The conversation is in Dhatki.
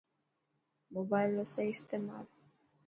موبائل رو صحيح استعمال